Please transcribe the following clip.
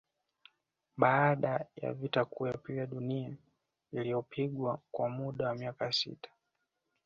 Baada ya vita kuu ya pili ya Dunia iliyopiganwa kwa muda wa miaka sita